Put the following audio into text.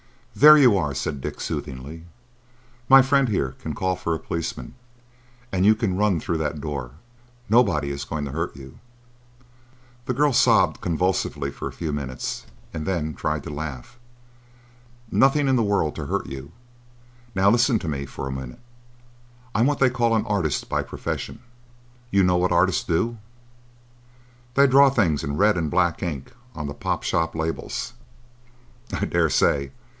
"There you are," said Dick, soothingly. "My friend here can call for a policeman, and you can run through that door. Nobody is going to hurt you." The girl sobbed convulsively for a few minutes, and then tried to laugh. "Nothing in the world to hurt you. Now listen to me for a minute. I'm what they call an artist by profession. You know what artists do?" "They draw the things in red and black ink on the pop shop labels." "I dare say.